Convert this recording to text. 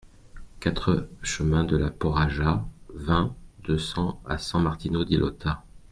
quatre chemin de la Porraja, vingt, deux cents à San-Martino-di-Lota